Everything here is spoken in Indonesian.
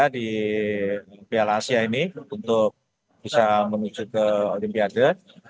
di piala asia ini untuk bisa menuju ke olimpiade